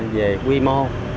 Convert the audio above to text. về quy mô